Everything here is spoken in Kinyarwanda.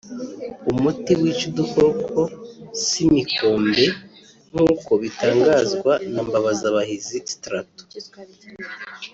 umuti wica udukoko (simikombe) nk’uko bitangazwa na Mbabazabahizi Straton